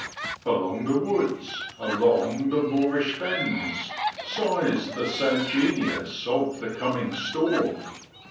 1 Along the woods, along the moorish fens. Sighs the sad Genius of the coming storm.